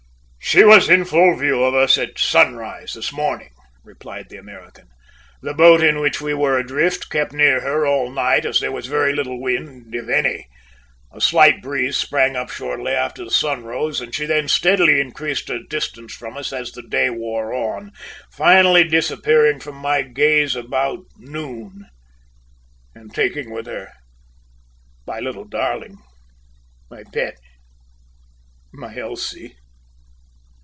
"She was in full view of us at sunrise this morning," replied the American. "The boat in which we were adrift kept near her all night as there was very little wind, if any. A slight breeze sprang up shortly after the sun rose and she then steadily increased her distance from us as the day wore on, finally disappearing from my gaze about noon, and taking with her my little darling, my pet, my Elsie."